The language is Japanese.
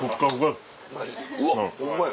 うわホンマや。